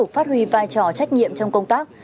phát huy vai trò trách nhiệm trong công tác